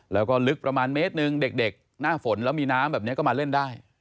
แล้วก็ลึกประมาณเมตรหนึ่งเด็กหน้าฝนแล้วมีน้ำแบบนี้ก็มาเล่นได้